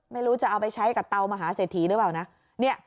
ไม่รู้จะเอาไปใช้กับเตามหาเศรษฐีหรือเปล่านะ